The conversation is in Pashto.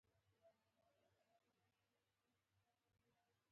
خلک تلولي شول او نه پوهېدل چې څه وکړي.